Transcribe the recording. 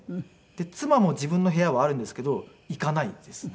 妻も自分の部屋はあるんですけど行かないですね。